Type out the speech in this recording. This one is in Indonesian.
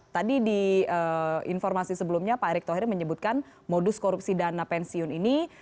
tadi di informasi sebelumnya pak erick thohir menyebutkan modus korupsi dana pensiun ini